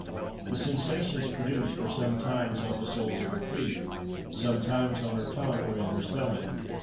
The sensations produced were sometimes on the soles of her feet, sometimes on her tongue, or in her stomach.